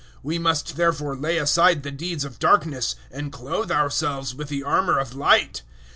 We must therefore lay aside the deeds of darkness, and clothe ourselves with the armour of Light.